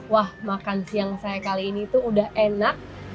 wah makan siang saya kali ini tuh udah enak